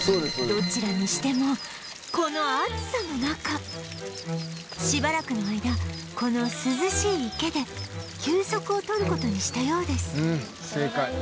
どちらにしてもこの暑さの中しばらくの間この涼しい池で休息を取る事にしたようです